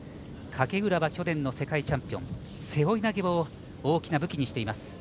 影浦は去年の世界チャンピオン背負い投げを大きな武器にしています。